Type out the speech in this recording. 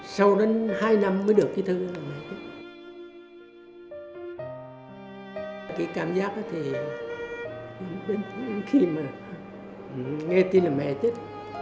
sau đến hai năm mới được cái thư là mẹ chết